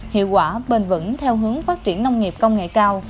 hiệu quả bền vững theo hướng phát triển nông nghiệp công nghệ cao